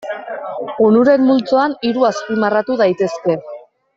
Onuren multzoan hiru azpimarratu daitezke.